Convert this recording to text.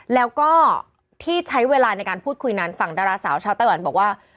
แล้วก็ที่ใช้เวลาในการพูดคุยนั้นฝั่งดาราสาวชาวไต้หวันบอกว่า